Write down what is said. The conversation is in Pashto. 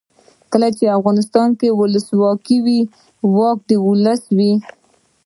کله چې افغانستان کې ولسواکي وي واک د ولس وي.